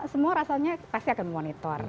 semua rasanya pasti akan memonitor